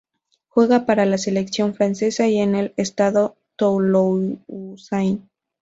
Juega para la selección francesa y en el Stade Toulousain.